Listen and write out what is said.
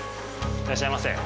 いらっしゃいませ。